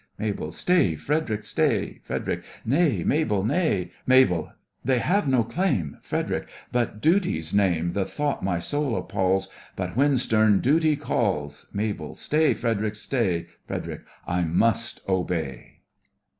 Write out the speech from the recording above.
MABEL: Stay, Fred'ric, stay! FREDERIC: Nay, Mabel, nay! MABEL: They have no claim— FREDERIC: But Duty's name. The thought my soul appalls, But when stern Duty calls, MABEL: Stay, Fred'ric, stay! FREDERIC: I must obey.